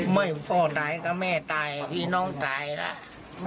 ไม่พ่อตายกับแม่ตายพี่น้องตายแล้ว